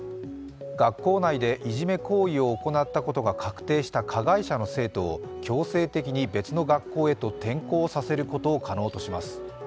学校内でいじめ行為を行ったことが確定した加害者の生徒を強制的に別の学校へと転校させることを可能とします。